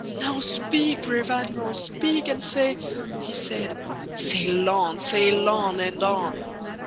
Now speak, brave Admiral, speak and say"—He said: "Sail on! sail on! and on!"